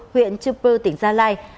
huyện chư pưu tỉnh gia lai